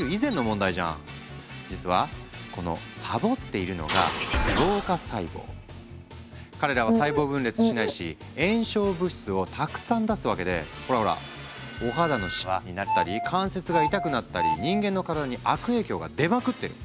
実はこのサボっているのが彼らは細胞分裂しないし炎症物質をたくさん出すわけでほらほらお肌のシワになったり関節が痛くなったり人間の体に悪影響が出まくってる。